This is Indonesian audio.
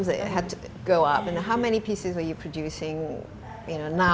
berapa banyak yang anda produksi sekarang